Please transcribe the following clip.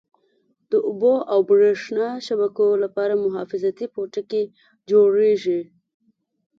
د اوبو او بریښنا شبکو لپاره حفاظتي پوټکی جوړیږي.